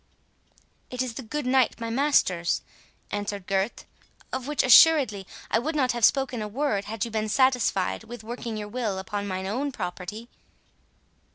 "It is the good knight my master's," answered Gurth, "of which, assuredly, I would not have spoken a word, had you been satisfied with working your will upon mine own property."